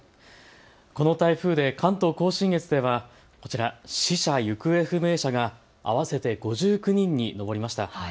この台風で関東甲信越ではこちら、死者・行方不明者が合わせて５９人に上りました。